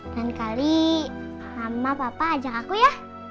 dan kali lama papa ajak aku ya